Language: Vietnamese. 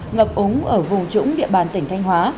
ngập úng ở vùng trũng địa bàn tỉnh thanh hóa